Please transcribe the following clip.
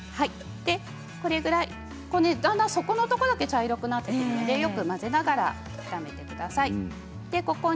だんだん底のところだけ茶色くなってくるのでよく混ぜながら炒めてください。